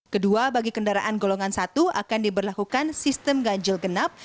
kedua bagi kendaraan golongan satu akan diberlakukan sistem ganjil genap